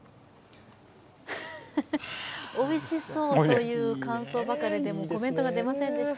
おいしそうという感想ばかりで、コメントが出ませんでした。